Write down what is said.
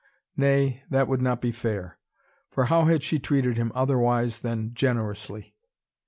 Nay, that would not be fair. For how had she treated him, otherwise than generously.